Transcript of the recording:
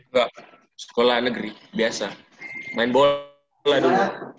nggak sekolah negeri biasa main bola dulu